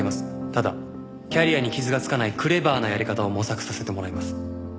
ただキャリアに傷がつかないクレバーなやり方を模索させてもらいます。